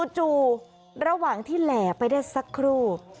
จู่ระหว่างที่แหล่ไปได้สักครู่